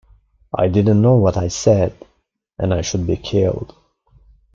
I did not know what I said, and I should be killed.